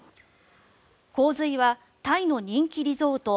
洪水はタイの人気リゾート